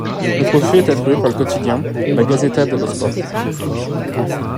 Le trophée est attribué par le quotidien La Gazzetta dello Sport.